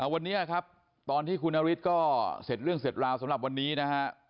วันนี้ครับตอนที่คุณนฤทธิ์ก็เสร็จเรื่องเสร็จลาวสำหรับวันนี้นะฮะ